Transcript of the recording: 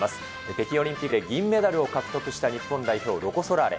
北京オリンピックで銀メダルを獲得した日本代表、ロコ・ソラーレ。